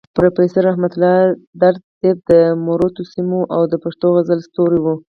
پروفيسور رحمت الله درد صيب د مروتو سيمې او د پښتو غزل ستوری وو.